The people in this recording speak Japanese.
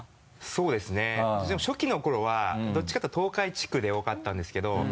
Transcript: そうですねでも初期の頃はどっちかというと東海地区で多かったんですけど。